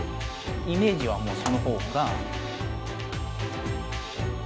イメージはもうそのほうが。